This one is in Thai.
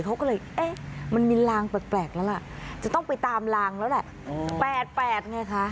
เขาก็เลยเอ๊ะมันมีลางแปลกแล้วล่ะจะต้องไปตามลางแล้วแหละ๘๘ไงคะ